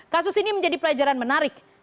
kasus ini menjadi pelajaran menarik